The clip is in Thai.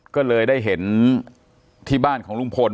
ก็เลยได้เห็นที่บ้านของลุงพล